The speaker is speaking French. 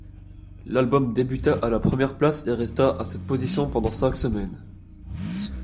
L'album débuta à la première place et resta à cette position pendant cinq semaines.